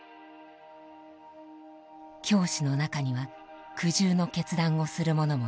教師の中には苦渋の決断をする者もいた。